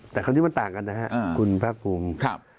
แต่คราวนี้มันต่างกันนะฮะอ่าคุณพระภูมิครับ